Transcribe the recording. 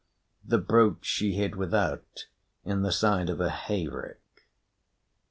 The brooch she hid without, in the side of a hayrick.